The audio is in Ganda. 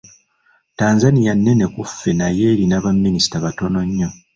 Tanzania nnene ku ffe naye erina baminisita batono nnyo.